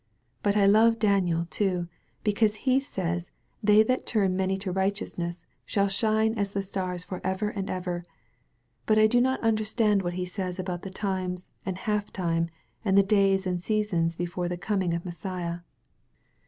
But I love Daniel, too, because he says they that tiun many to righteousness shall shine as the stars for ever and ever. But I do not understand what he says about the times and a half time and the days and the seasons before the coming of Messiah."